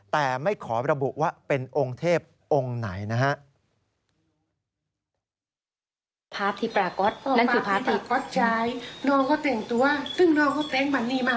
แต่ไม่ขอระบุว่าเป็นองค์เทพองค์ไหนนะฮะ